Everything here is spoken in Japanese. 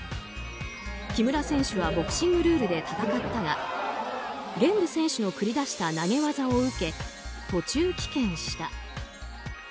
木村選手はボクシングルールで戦ったが玄武選手の繰り出した投げ技を受け途中棄権した。